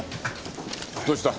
どうした？